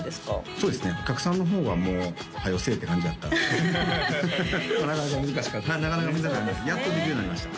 そうですねお客さんの方はもうはよせえって感じやったんでなかなか難しかったですけどねなかなか難しかったやっとできるようになりました